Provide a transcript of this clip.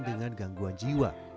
dengan gangguan jiwa